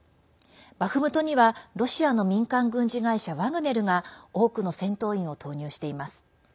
バフムトにはロシアの民間軍事会社ワグネルが多くの戦闘員を投入しています。